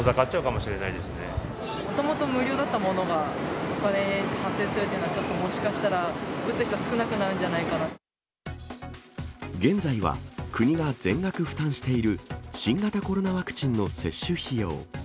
もともと無料だったものが、お金発生するというのは、ちょっともしかしたら、現在は、国が全額負担している新型コロナワクチンの接種費用。